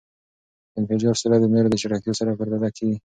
د انفجار سرعت د نور د چټکتیا سره پرتله کېږی.